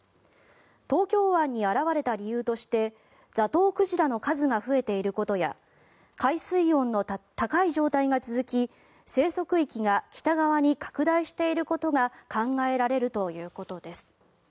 東京湾に現れた理由としてザトウクジラの数が増えていることや海水温の高い状態が続き生息域が北側に拡大していることが考えられるということです。